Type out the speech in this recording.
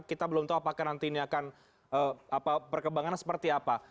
kita belum tahu nanti ini akan perkembangan seperti apa